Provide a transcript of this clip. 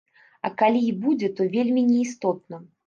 А калі і будзе, то вельмі не істотна.